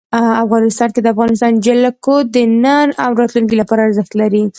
افغانستان کې د افغانستان جلکو د نن او راتلونکي لپاره ارزښت لري.